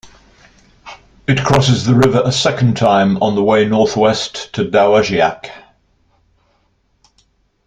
It crosses the river a second time on the way northwest to Dowagiac.